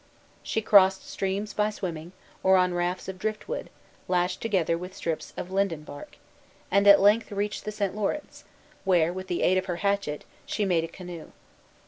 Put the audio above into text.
She crossed streams by swimming, or on rafts of driftwood, lashed together with strips of linden bark; and at length reached the St. Lawrence, where, with the aid of her hatchet, she made a canoe.